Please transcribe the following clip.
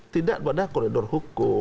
tidak pada koridor hukum